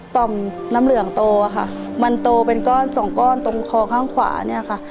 ต่อมน้ำเหลืองโตค่ะมันโตเป็นก้อนสองก้อนตรงคอข้างขวาเนี่ยค่ะ